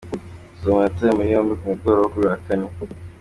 Solomo yatawe muri yombi ku mugoroba wo kuri uyu wa kane.